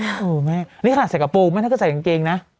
เออแม่งนี่ขนาดใส่กระโปรงแม่งก็ใส่กางเกงนะ